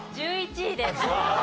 １１位です。